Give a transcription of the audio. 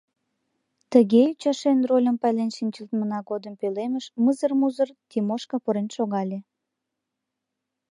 Тыге, ӱчашен, рольым пайлен шинчылтмына годым пӧлемыш мызыр-музыр Тимошка пурен шогале.